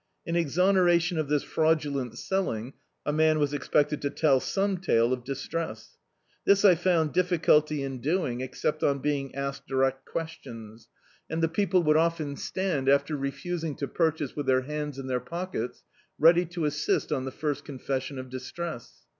In excmeration of this fraudu lent selling, a man was expected to tell some tale of distress. This I fotmd difficulty in doing, except on being asked direct questions; and the people Dictzed by Google Gridling would often stand after refusing to purchase with their hands in their pockets ready to assist on the first confession of distress.